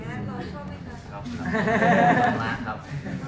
ร้อนชอบไหมครับ